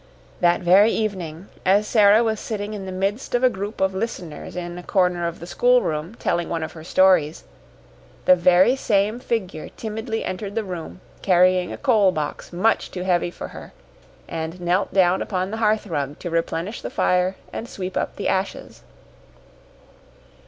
That very evening, as Sara was sitting in the midst of a group of listeners in a corner of the schoolroom telling one of her stories, the very same figure timidly entered the room, carrying a coal box much too heavy for her, and knelt down upon the hearth rug to replenish the fire and sweep up the ashes.